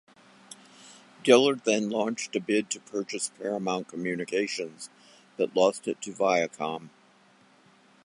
Diller then launched a bid to purchase Paramount Communications, but lost it to Viacom.